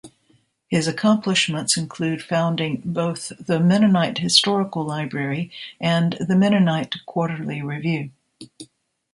His accomplishments include founding both the Mennonite Historical Library and The Mennonite Quarterly Review.